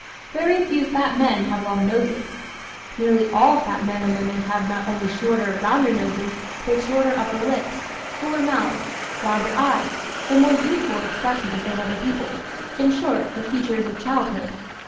Very few fat men have long noses. Nearly all fat men and women have not only shorter, rounder noses but shorter upper lips, fuller mouths, rounder eyes and more youthful expressions than other people in short, the features of childhood.